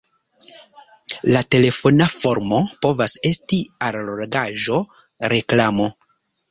La telefona formo povas esti allogaĵo, reklamo.